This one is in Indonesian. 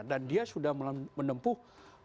dan dia sudah menempuh